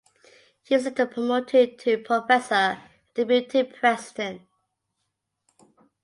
He was later promoted to professor and deputy president.